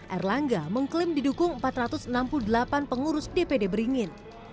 erlangga mengklaim didukung empat ratus enam puluh delapan pengurus dpd beringin